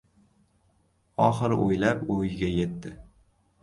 Oxiri o‘ylab o‘yiga yetdi.